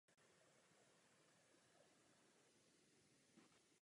Volební kampaň, nový kodex chování, zvláště pro asistenty.